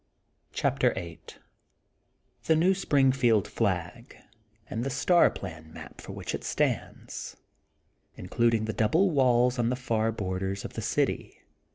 CHAPTER Vm THB NBW SPRINQFIBLD FLAG AND THB STAB PLAN UAP FOR WHICH IT STANDS. INCLUDING THB DOUBLE WALLS ON THB FAB BOBDBRS OF THB CITY.